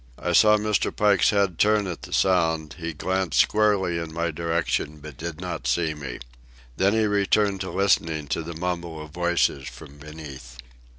I saw Mr. Pike's head turn at the sound; he glanced squarely in my direction, but did not see me. Then he returned to listening to the mumble of voices from beneath.